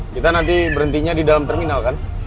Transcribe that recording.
kita nanti berhentinya di dalam terminal kan